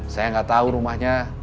saya gak tau rumahnya